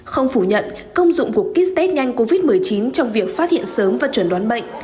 không phủ nhận công dụng của kit test nhanh covid một mươi chín trong việc phát hiện sớm và chuẩn đoán bệnh